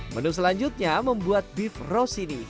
menu selanjutnya membuat beef rose ini